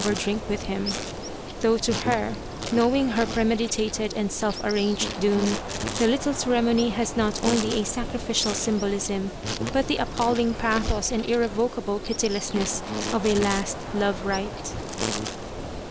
72 The Tragedy of Kesa Gozen drink with him, though to her, knowing her pre meditated and self arranged doom, the little cere mony has not only a sacrificial symbolism, but the appalling pathos and irrevocable pitilessness of a last love rite.